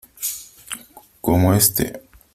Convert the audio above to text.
como este .